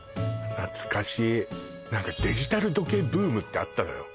懐かしい何かデジタル時計ブームってあったのよ